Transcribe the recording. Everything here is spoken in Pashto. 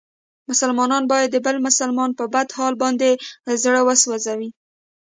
مسلمان باید د بل مسلمان په بد حال باندې زړه و سوځوي.